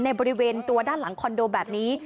บริเวณตัวด้านหลังคอนโดแบบนี้